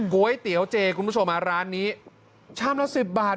ก๋วยเตี๋ยวเจคุณผู้ชมร้านนี้ชามละ๑๐บาท